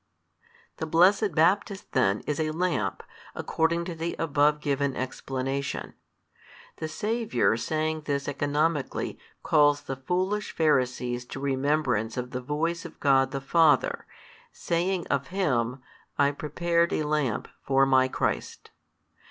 The blessed Baptist then is a lamp according to the above given explanation. The Saviour saying this economically calls the foolish Pharisees to remembrance of the Voice of God the Father, saying of Him, I prepared a lamp for My Christ.